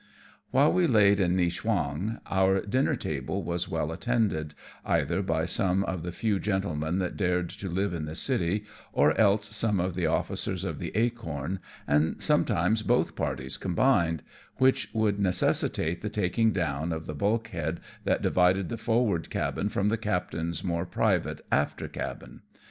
"While we laid in Niewchwang, our dinner table was well attended, either by some of the few gentlemen that dared to live in the city, or else some of the officers of the Acorn, and sometimes both parties combined, which would necessitate the taking down of the bulkhead that divided the forward cabin from the captain's more private after cabin.